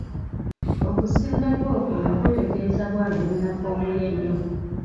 Okusinda kwe okwo nga kutegeeza bw'ali omunafu omuyi ennyo.